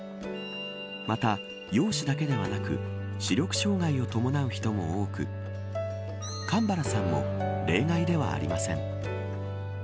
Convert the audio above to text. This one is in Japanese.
また、容姿だけではなく視力障害を伴う人も多く神原さんも例外ではありません。